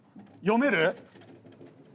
読める？